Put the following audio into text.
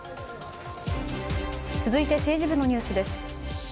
続いて政治部のニュースです。